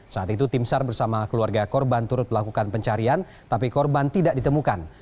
saat itu tim sar bersama keluarga korban turut melakukan pencarian tapi korban tidak ditemukan